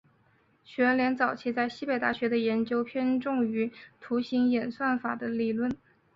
许闻廉早期在西北大学的研究偏重于图形演算法的理论。